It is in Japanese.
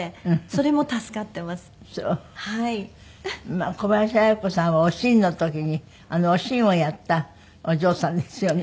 まあ小林綾子さんは『おしん』の時にあのおしんをやったお嬢さんですよね。